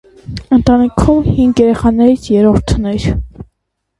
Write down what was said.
Ընտանիքում հինգ երեխաներից երրորդն էր։